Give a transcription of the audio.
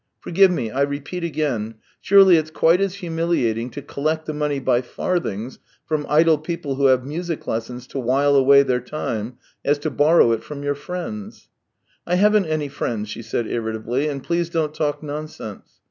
Forgive me, I repeat again: Surely it's quite as humiliating to collect the money by farthings from idle people who have music lessons to while away their time, as to borrow it from your friends." THREE YEARS 235 " I haven't any friends," she said irritably. " And please don't talk nonsense.